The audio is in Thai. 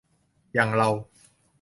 อย่างเรา